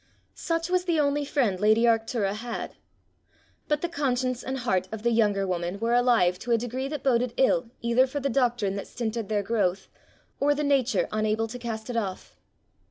Such was the only friend lady Arctura had. But the conscience and heart of the younger woman were alive to a degree that boded ill either for the doctrine that stinted their growth, or the nature unable to cast it off.